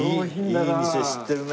いい店知ってるね。